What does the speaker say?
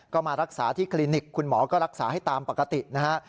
ก็มารักษาที่คลินิกคุณหมอก็รักษาให้ตามปกตินะฮะ